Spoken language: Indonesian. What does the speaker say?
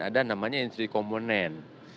ada namanya industri komponen